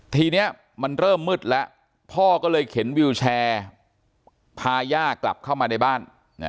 ทีนี้มันเริ่มมืดแล้วพ่อก็เลยเข็นวิวแชร์พาย่ากลับเข้ามาในบ้าน